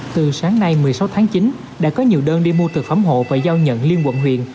từ sáng nay một mươi sáu tháng chín đã có nhiều đơn đi mua thực phẩm hộ và giao nhận liên quận huyện